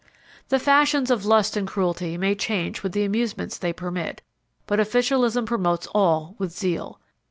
The fashions of lust and cruelty may change with the amusements they permit, but officialism promotes all with zeal.